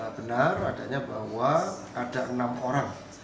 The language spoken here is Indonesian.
benar adanya bahwa ada enam orang